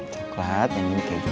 coklat yang ini keju